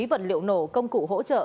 vật liệu nổ công cụ hỗ trợ